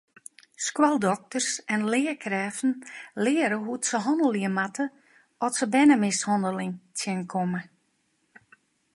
Skoaldokters en learkrêften leare hoe't se hannelje moatte at se bernemishanneling tsjinkomme.